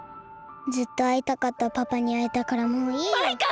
ずっとあいたかったパパにあえたからもういいよ。マイカ！